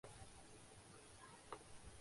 ایک بات قابل غور ہے۔